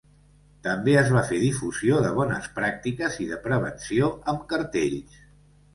També es va fer difusió de bones pràctiques i de prevenció, amb cartells.